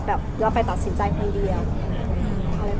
เราไปตัดสินใจคนเดียว